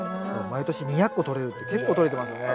毎年２００個とれるって結構とれてますよね。